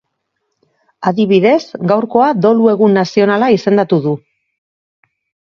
Adibidez, gaurkoa dolu egun nazionala izendatu du.